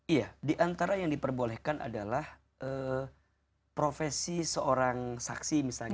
iya diantara yang diperbolehkan adalah profesi seorang saksi misalnya